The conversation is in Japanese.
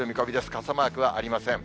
傘マークはありません。